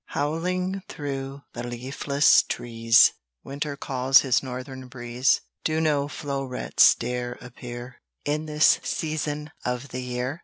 Howling through the leafless trees, Winter calls his northern breeze. Do no flow'rets dare appear, In this season of the year?